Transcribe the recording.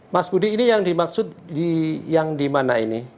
mas budi ini yang dimaksud yang di mana ini